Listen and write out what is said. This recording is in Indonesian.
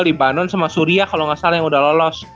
libanon sama surya kalo gak salah yang udah lolos